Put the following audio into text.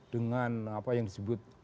dengan apa yang disebut